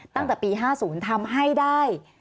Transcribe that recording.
ตั้งแต่ปี๕๐ทำให้ได้